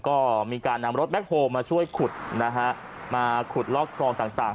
ก็มีการนำรถแคคโฮลมาช่วยขุดนะฮะมาขุดลอกครองต่าง